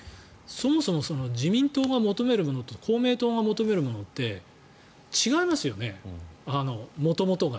そもそも自民党が求めるものと公明党が求めるものって違いますよね、元々が。